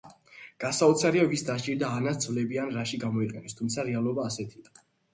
გასაოცარია ვის დასჭირდა ანას ძვლები ან რაში გამოიყენეს, თუმცა რეალობა ასეთია.